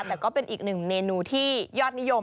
แต่ก็เป็นอีกหนึ่งเมนูที่ยอดนิยม